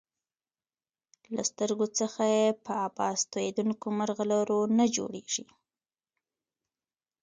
له سترګو څخه یې په عبث تویېدونکو مرغلرو نه جوړیږي.